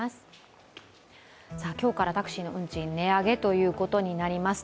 今日からタクシーの運賃、値上げということになります。